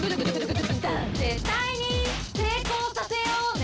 「絶対に成功させようね」